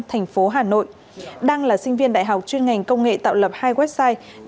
thành phố hà nội đang là sinh viên đại học chuyên ngành công nghệ tạo lập hai website